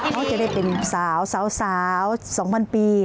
เขาจะได้เป็นสาวสองพันปี